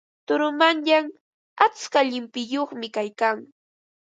Turumanyay atska llimpiyuqmi kaykan.